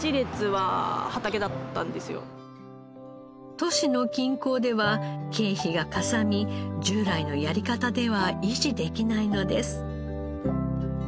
都市の近郊では経費がかさみ従来のやり方では維持できないのです。